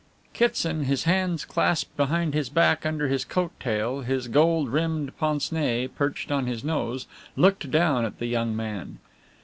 Kitson, his hands clasped behind his back under his tail coat, his gold rimmed pince nez perched on his nose, looked down at the young man.